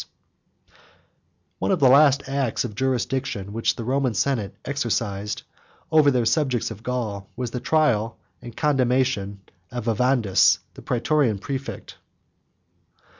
] One of the last acts of jurisdiction, which the Roman senate exercised over their subjects of Gaul, was the trial and condemnation of Arvandus, the Prætorian præfect.